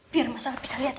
biar mas al bisa liat yuk